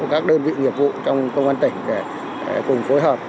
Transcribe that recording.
các đơn vị nghiệp vụ trong công an tỉnh để cùng phối hợp